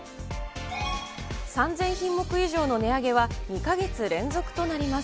３０００品目以上の値上げは２か月連続となります。